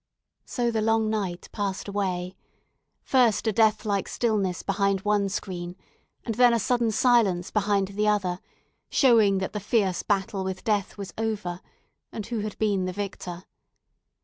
So the long night passed away; first a deathlike stillness behind one screen, and then a sudden silence behind the other, showing that the fierce battle with death was over, and who had been the victor.